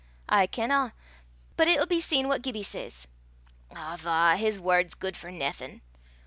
"I kenna; but it'll be seen what Gibbie says." "Awva! his word's guid for naething."